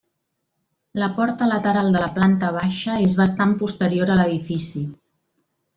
La porta lateral de la planta baixa és bastant posterior a l'edifici.